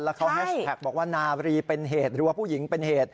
แล้วเขาแฮชแท็กบอกว่านารีเป็นเหตุรั้วผู้หญิงเป็นเหตุ